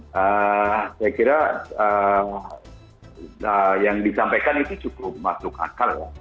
saya kira yang disampaikan itu cukup masuk akal ya